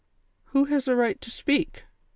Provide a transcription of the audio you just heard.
"Who has a right to speak ?"